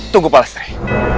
tunggu pak lestri